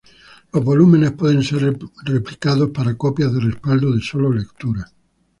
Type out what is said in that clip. Los volúmenes pueden ser replicados para copias de respaldo de sólo lectura.